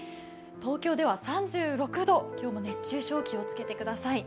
東京では３６度、今日も熱中症、気をつけてください。